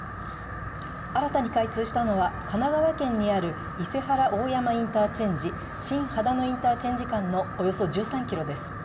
新たに開通したのは神奈川県にある伊勢原大山インターチェンジ、新秦野インターチェンジ間のおよそ１３ｋｍです。